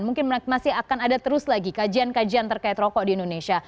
mungkin masih akan ada terus lagi kajian kajian terkait rokok di indonesia